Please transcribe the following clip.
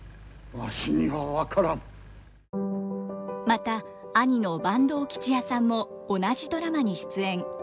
また兄の坂東吉弥さんも同じドラマに出演。